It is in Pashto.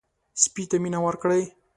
سپي ته مینه ورکړئ.